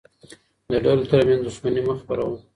د ډلو ترمنځ دښمني مه خپروه.